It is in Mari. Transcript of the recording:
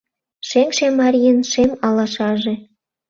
Шеҥше марийын шем алашаже